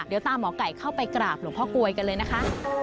เดี๋ยวตามหมอไก่เข้าไปกราบหลวงพ่อกลวยกันเลยนะคะ